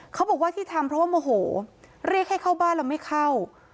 เขาบอกว่าที่ทำเพราะว่าโมโหเรียกให้เข้าบ้านแล้วไม่เข้า